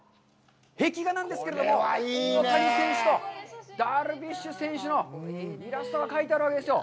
壁画なんですけれども、大谷選手とダルビッシュ選手のイラストが描いてあるわけですよ。